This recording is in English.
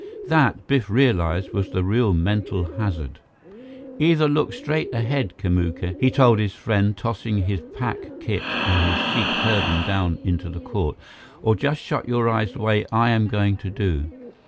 That, Biff realized, was the real mental hazard. "Either look straight ahead, Kamuka," he told his friend, tossing his pack kit and his Sikh turban down into the court, "or just shut your eyes the way I am going to do.